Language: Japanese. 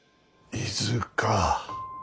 伊豆か。